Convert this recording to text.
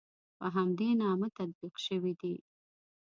په همدې نامه تطبیق شوي دي.